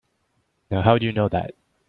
Now how'd you know that?